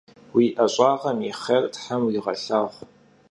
Vui 'eş'ağem yi xhêr them vuiğelhağu!